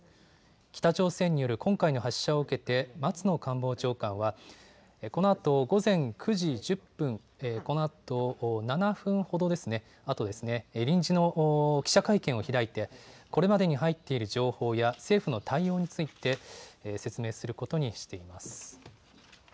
北朝鮮による今回の発射を受けて、松野官房長官は、このあと午前９時１０分、このあと７分ほどですね、あとですね、臨時の記者会見を開いて、これまでに入っている情報や政府の対応について説明することにしています。